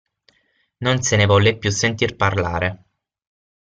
Non se ne volle più sentir parlare…